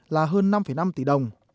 là hơn năm năm tỷ đồng